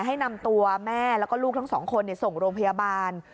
ให้นำตัวแม่แล้วก็ลูกทั้งสองคนส่งโรงพยาบาล